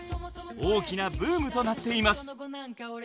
大きなブームとなっています！